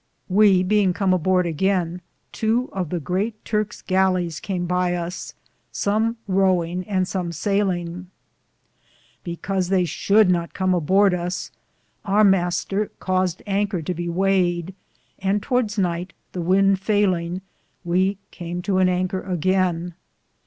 We beinge come aborde againe, ii of the greate Turkes gallis cam by us, some rowinge and som saylinge; bucause they should not com a borde us, our Mr. caused Anker to be wayed, and towardes nyghte, the wynde faylinge, we came to an anker againe.